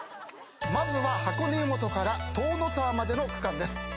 まずは箱根湯本から塔ノ沢までの区間です。